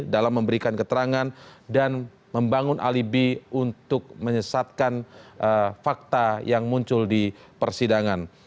dalam memberikan keterangan dan membangun alibi untuk menyesatkan fakta yang muncul di persidangan